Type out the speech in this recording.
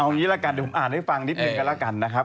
เอางี้ละกันเดี๋ยวผมอ่านให้ฟังนิดหนึ่งกันแล้วกันนะครับ